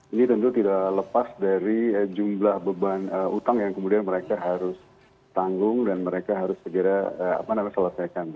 ini tentu tidak lepas dari jumlah beban utang yang kemudian mereka harus tanggung dan mereka harus segera selesaikan